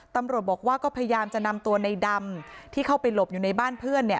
ตำรวจบอกว่าก็พยายามจะนำตัวในดำที่เข้าไปหลบอยู่ในบ้านเพื่อนเนี่ย